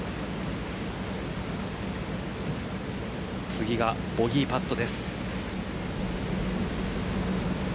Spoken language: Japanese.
次がボギーパットです。